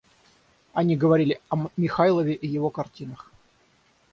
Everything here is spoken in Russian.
Они говорили о Михайлове и его картинах.